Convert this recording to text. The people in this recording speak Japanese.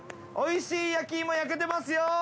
おいしい焼き芋焼けてますよ。